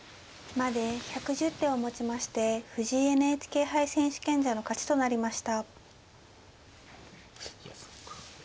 まで１１０手をもちまして藤井ＮＨＫ杯選手権者の勝ちとなりました。